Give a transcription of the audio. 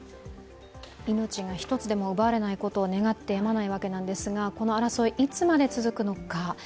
命が１つでも奪われないことを願ってやまないわけなんですがこの争い、いつまで続くのか。